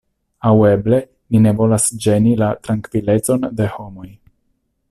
Aŭ eble, mi ne volas ĝeni la trankvilecon de homoj.